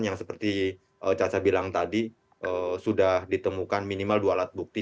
yang seperti caca bilang tadi sudah ditemukan minimal dua alat bukti